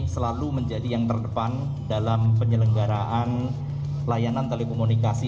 selalu menjadi yang terdepan dalam penyelenggaraan layanan telekomunikasi